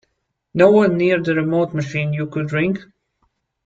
No one near the remote machine you could ring?